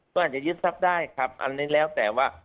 ก็อาจจะยึดทรัพย์ได้ครับอันนี้แล้วแต่ว่า